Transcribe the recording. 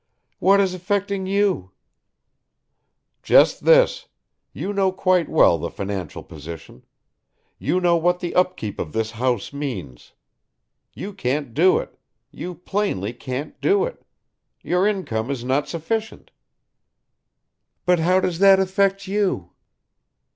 "What is affecting you?" "Just this. You know quite well the financial position. You know what the upkeep of this house means. You can't do it. You plainly can't do it. Your income is not sufficient." "But how does that affect you?"